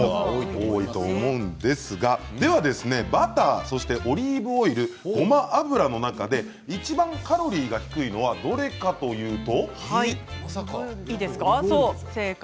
多いと思うんですがバター、オリーブオイルごま油の中でいちばんカロリーが低いのはどれかというと。